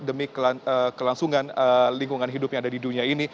demi kelangsungan lingkungan hidup yang ada di dunia ini